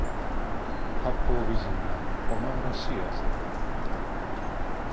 八方美人なお前らしい味だ。